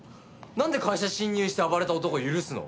なんで会社侵入して暴れた男を許すの？